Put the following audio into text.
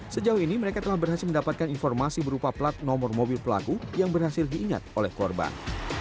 sejauh ini mereka telah berhasil mendapatkan informasi berupa plat nomor mobil pelaku yang berhasil diingat oleh korban